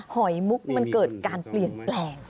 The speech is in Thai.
หอยมุกมันเกิดการเปลี่ยนแปลง